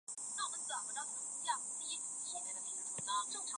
列斯利后来的服役纪录不明。